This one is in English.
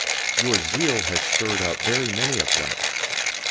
Your zeal has stirred up very many of them.